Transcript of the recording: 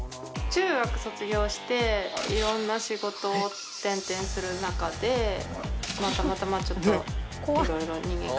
中学卒業していろんな仕事を転々とする中でたまたまちょっといろいろ。